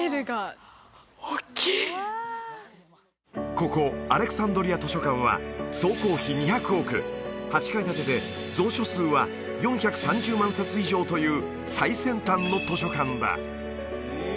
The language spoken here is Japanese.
ここアレクサンドリア図書館は総工費２００億８階建てで蔵書数は４３０万冊以上という最先端の図書館だ